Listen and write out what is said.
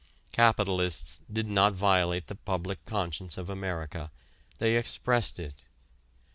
Capitalists did not violate the public conscience of America; they expressed it.